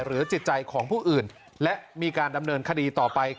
จิตใจของผู้อื่นและมีการดำเนินคดีต่อไป